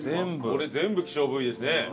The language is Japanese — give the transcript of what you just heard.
これ全部希少部位ですね。